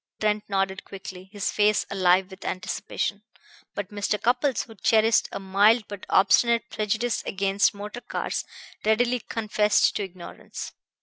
Trent nodded quickly, his face alive with anticipation; but Mr. Cupples, who cherished a mild but obstinate prejudice against motor cars, readily confessed to ignorance.